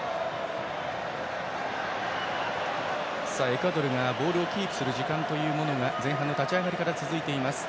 エクアドルがボールをキープする時間が前半の立ち上がりから続いています。